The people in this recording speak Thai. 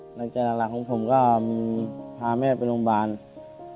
หลักจัยหลักของผมก็พาแม่ไปโรงพยาบาล